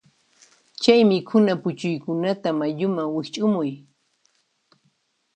Chay mikhuna puchuykunata mayuman wiqch'umuy.